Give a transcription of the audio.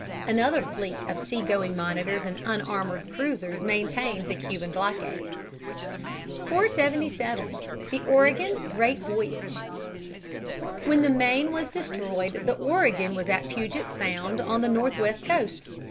Another fleet of sea going monitors and unarmored cruisers maintained the Cuban blockade. [Sidenote: The Oregon's voyage.] 477. The Oregon's Great Voyage. When the Maine was destroyed, the Oregon was at Puget Sound on the northwest coast.